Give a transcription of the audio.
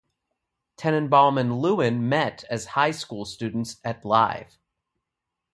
Tenenbaum and Lewin met as high school students at Live!